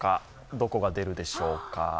どこが出るでしょうか。